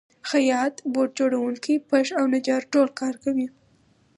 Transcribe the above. خیاط، بوټ جوړونکی، پښ او نجار ټول کار کوي